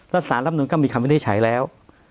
แล้วสารรวมนู้นก็มีคำว่าไม่ได้ใช้แล้ว